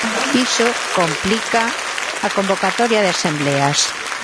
Iso "complica" a convocatoria de asembleas.